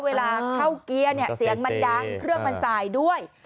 เวลาเข้าเกียร์เนี่ยเสียงมันดังเครื่องมันสายด้วย